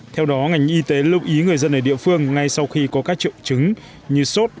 theo đó ngành y tế lưu ý người dân ở địa phương ngay sau khi có các triệu chứng như sốt